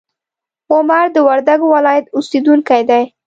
عمر د وردګو ولایت اوسیدونکی دی.